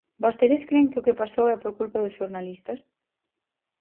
¿Vostedes cren que o que pasou é por culpa dos xornalistas?